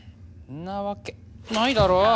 なわけないだろ！